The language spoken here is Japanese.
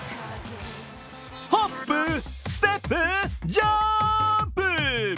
ホップ、ステップ、ジャンプ。